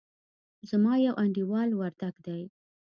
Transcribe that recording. زما يو انډيوال وردګ دئ.